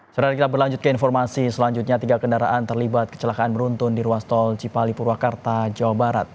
setelah kita berlanjut ke informasi selanjutnya tiga kendaraan terlibat kecelakaan beruntun di ruas tol cipali purwakarta jawa barat